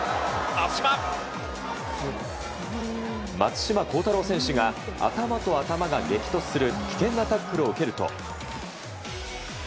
松島幸太朗選手が頭と頭が激突する危険なタックルを受けると。